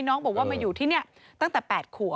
น้องบอกว่ามาอยู่ที่นี่ตั้งแต่๘ขวบ